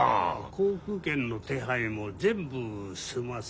航空券の手配も全部済ませた。